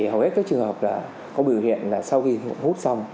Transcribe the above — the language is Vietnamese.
hầu hết các trường hợp có biểu hiện là sau khi hút xong